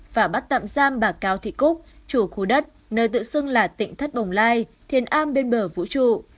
và bắt tạm giam bà cao thị cúc chủ khu đất nơi tự xưng là tỉnh thất bồng lai thiền a bên bờ vũ trụ